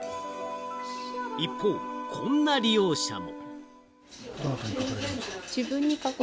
一方、こんな利用者も。